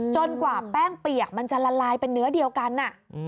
กว่าแป้งเปียกมันจะละลายเป็นเนื้อเดียวกัน